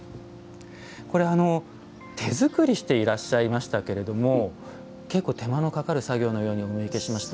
これ手作りしていらっしゃいましたけれども結構手間のかかる作業のようにお見受けしました。